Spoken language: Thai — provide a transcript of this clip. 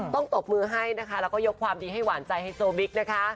ตบมือให้นะคะแล้วก็ยกความดีให้หวานใจไฮโซบิ๊กนะคะ